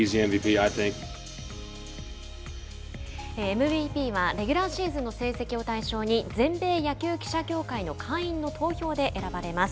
ＭＶＰはレギュラーシーズンの成績を対象に全米野球記者協会の会員の投票で選ばれます。